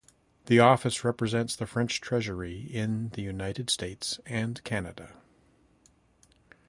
This office represents the French Treasury in the United States and Canada.